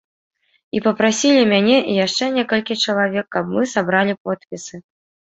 І папрасілі мяне і яшчэ некалькі чалавек, каб мы сабралі подпісы.